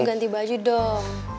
ganti baju dong